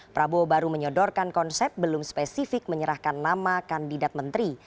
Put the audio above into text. prabowo baru menyodorkan konsep belum spesifik menyerahkan nama kandidat menteri